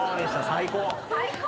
最高！